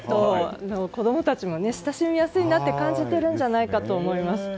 子供たちも親しみやすいなと感じているんじゃないかと思います。